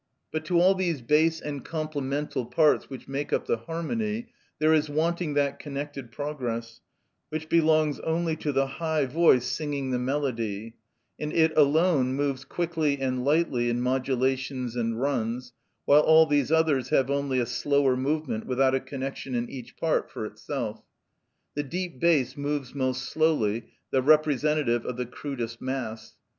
But to all these bass and complemental parts which make up the harmony there is wanting that connected progress which belongs only to the high voice singing the melody, and it alone moves quickly and lightly in modulations and runs, while all these others have only a slower movement without a connection in each part for itself. The deep bass moves most slowly, the representative of the crudest mass.